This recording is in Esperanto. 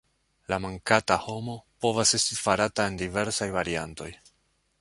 La "mankanta homo" povas esti farata en diversaj variantoj.